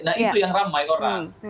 nah itu yang ramai orang